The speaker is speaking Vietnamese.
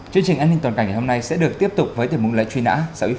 chương trình an ninh toàn cảnh ngày hôm nay sẽ được tiếp tục với tiểu mục lệnh truy nã